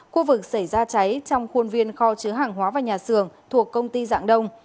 khu vực xảy ra cháy trong khuôn viên kho chứa hàng hóa và nhà xưởng thuộc công ty dạng đông